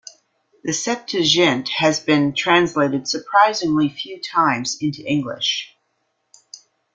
The Septuagint has been translated surprisingly few times into English.